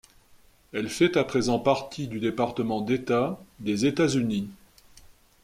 Elle fait à présent partie du département d'État des États-Unis.